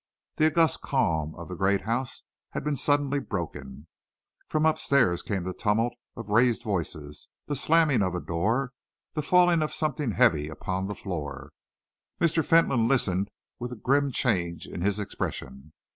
The august calm of the great house had been suddenly broken. From up stairs came the tumult of raised voices, the slamming of a door, the falling of something heavy upon the floor. Mr. Fentolin listened with a grim change in his expression.